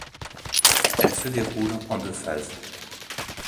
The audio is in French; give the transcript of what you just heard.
Elle se déroule en deux phases.